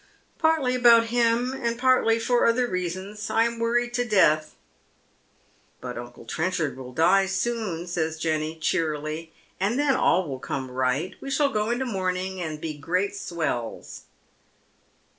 " Partly about him and partly for other reasons. I am worried to death." " But uncle Trenchard will die soon," says Jenny, cheerily, and then all will come right. We shall go into mourning, and be great swells."